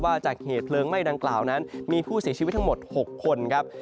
จากเหตุเพลิงไหม้ดังกล่าวนั้นมีผู้เสียชีวิตทั้งหมด๖คนครับ